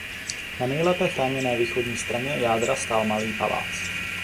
Na nejlépe chráněné východní straně jádra stál malý palác.